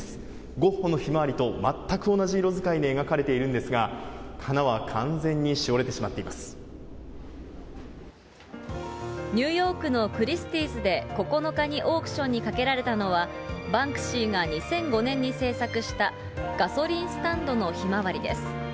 ゴッホのひまわりと全く同じ色使いで描かれているんですが、花はニューヨークのクリスティーズで、９日にオークションにかけられたのは、バンクシーが２００５年に制作したガソリンスタンドのひまわりです。